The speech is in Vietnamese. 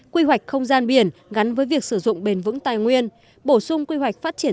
quy hoạch không gian biển gắn với việc sử dụng bền vững tài nguyên bổ sung quy hoạch phát triển